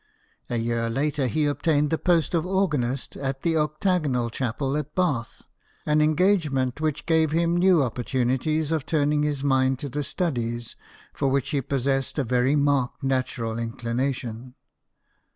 A year later, he ob tained the post of organist to the Octagon Chapel at Bath, an engagement which gave him new opportunities of turning his mind to the studies for which he possessed a very marked natural inclination.